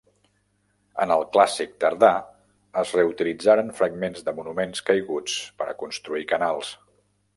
En el Clàssic Tardà es reutilitzaren fragments de monuments caiguts per a construir canals.